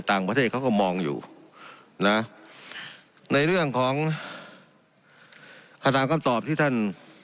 ต่างประเทศเขาก็มองอยู่นะในเรื่องของคำถามคำตอบที่ท่าน